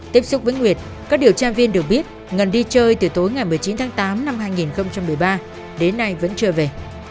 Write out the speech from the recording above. tiếp xúc với nguyệt các điều tra viên được biết ngân đi chơi từ tối ngày một mươi chín tháng tám năm hai nghìn một mươi ba đến nay vẫn chưa về